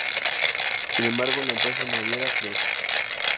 Sin embargo, la empresa naviera Fred.